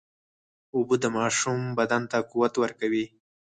اوبه د ماشوم بدن ته قوت ورکوي.